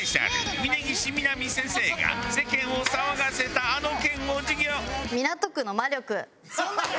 峯岸みなみ先生が世間を騒がせたあの件を授業